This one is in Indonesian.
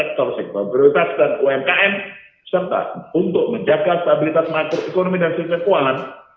untuk mendorong konstitusi masyarakat dalam rencana kredit perbankan dan investasi bilateral dengan negara utama khususnya di kawasan asia